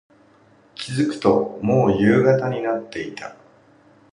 気付くと、もう夕方になっていた。